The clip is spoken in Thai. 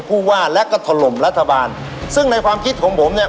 ผู้ว่าและก็ถล่มรัฐบาลซึ่งในความคิดของผมเนี่ย